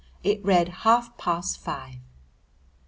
It read half past five.